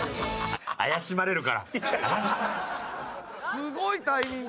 すごいタイミング。